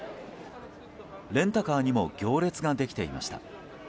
レンタカーにも行列ができていました。